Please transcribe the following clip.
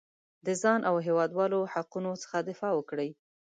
د ځان او هېوادوالو حقونو څخه دفاع وکړي.